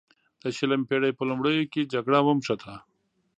د شلمې پیړۍ په لومړیو کې جګړه ونښته.